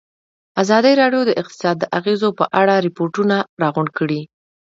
ازادي راډیو د اقتصاد د اغېزو په اړه ریپوټونه راغونډ کړي.